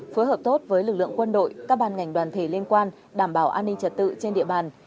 phối hợp tốt với lực lượng quân đội các ban ngành đoàn thể liên quan đảm bảo an ninh trật tự trên địa bàn